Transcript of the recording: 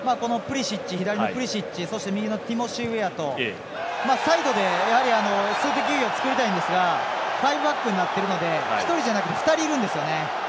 左のプリシッチ右のティモシー・ウェアとサイドで数的優位を作りたいんですがファイブバックになっているので１人じゃなくて２人いるんですよね。